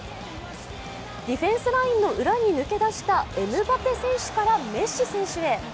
ディフェンスラインの裏に抜け出したエムバペ選手からメッシ選手へ。